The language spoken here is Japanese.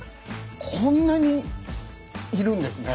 こんなにいるんですね。